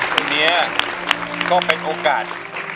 คนนี้ก็เป็นโอกาส